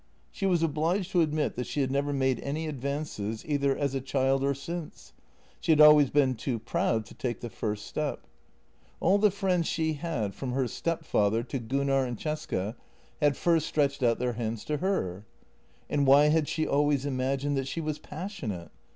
She was obliged to admit that she had never made any advances, either as a child or since; she had always been too proud to take the first step. All the friends she had — from her stepfather to Gunnar and Cesca — had first stretched out their hands to her. And why had she al ways imagined that she was passionate?